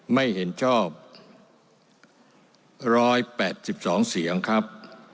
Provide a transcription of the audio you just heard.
ไม่เห็นชอบร้อยแปดสิบสองเสียงครับ